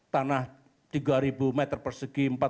tanah tiga meter persegi